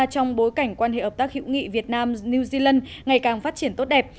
trong bối cảnh quan hệ ập tác hữu nghị việt nam new zealand ngày càng phát triển tốt đẹp